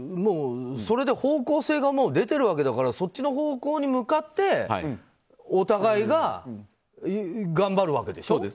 それで方向性が出ているわけだからそっちの方向に向かってお互いが頑張るわけでしょ。